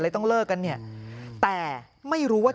ต้องเลิกกันเนี่ยแต่ไม่รู้ว่า